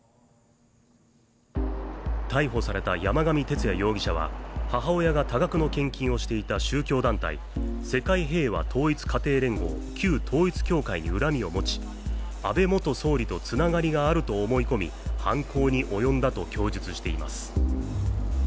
逮捕された山上徹也容疑者は、母親が多額の献金をしていた宗教団体、世界平和統一家庭連合＝旧統一教会に恨みを持ち、安倍元総理とつながりがあると思い込み、犯行に及んだと供述しています。